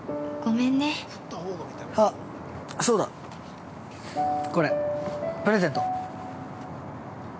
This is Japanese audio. あっそうだ、これプレゼント。